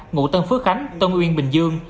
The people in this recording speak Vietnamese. ngụ tân phước khánh tân uyên bình dương